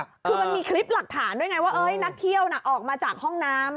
คือมันมีคลิปหลักฐานด้วยไงว่านักเที่ยวน่ะออกมาจากห้องน้ำ